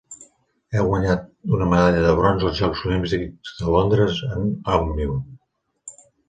Ha guanyat una medalla de bronze als Jocs Olímpics de Londres en Òmnium.